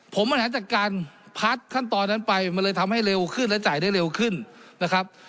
ผมบริหารจัดการพัดขั้นตอนนั้นไปมันเลยทำให้เร็วขึ้นและจ่ายได้เร็วขึ้นนะครับ